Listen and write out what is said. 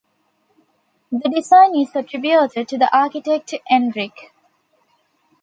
The design is attributed to the architect Enrique.